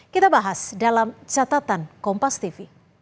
kita bahas dalam catatan kompas tv